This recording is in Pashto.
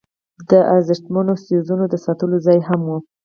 د ارزښتمنو څیزونو د ساتلو ځای هم و.